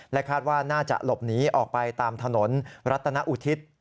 คาดว่าน่าจะหลบหนีออกไปตามถนนรัตนอุทิศ